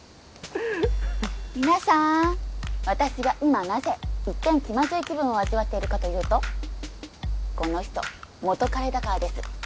皆さーん私が今なぜ一転気まずい気分を味わってるかというとこの人元カレだからです